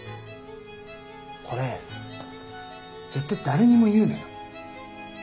これ絶対誰にも言うなよ？